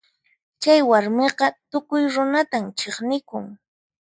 Chay warmiqa tukuy runatan chiqnikun.